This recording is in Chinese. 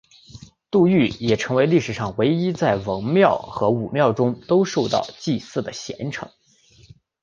杜预也成为历史上唯一在文庙和武庙中都受到祭祀的贤臣。